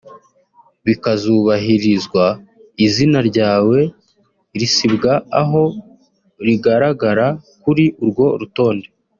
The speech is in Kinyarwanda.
bikazubahirizwa izina ryawe risibwa aho rigaragara kuri urwo rutonde